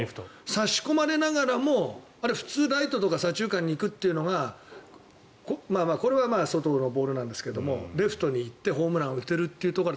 差し込まれながらもあれ普通、ライトとか左中間に行くのがこれは外のボールなんですがレフトに行ってホームランを打てるというところ。